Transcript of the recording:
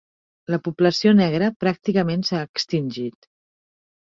La població negra pràcticament s'ha extingit.